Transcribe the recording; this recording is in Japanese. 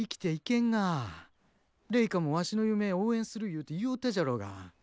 レイカもわしの夢応援するゆうて言ようたじゃろうが。